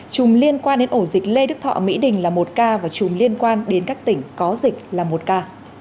chùm liên quan đến ổ dịch lê đức thọ mỹ đình là một ca và chùm liên quan đến các tỉnh có dịch là một ca